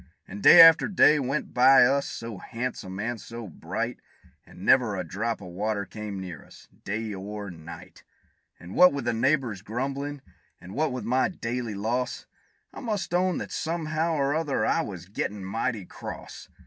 And day after day went by us, so han'some and so bright, And never a drop of water came near us, day or night; And what with the neighbors' grumblin', and what with my daily loss, I must own that somehow or other I was gettin' mighty cross.